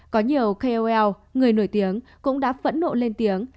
có nhiều kol người nổi tiếng cũng đã phẫn nộ lên tiếng